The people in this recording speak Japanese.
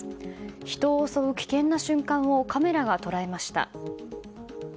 人を襲う危険な瞬間をカメラが捉えました。